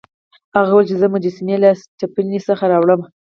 هغه وویل چې زه مجسمې له سټپني څخه راوړم.